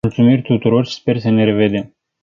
Mulțumiri tuturor și sper să ne revedem.